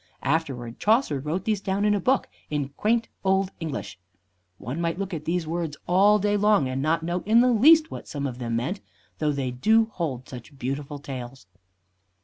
Afterward Chaucer wrote these down in a book in quaint old English. One might look at these words all day long and not know in the least what what some of them meant, though they do hold such beautiful tales.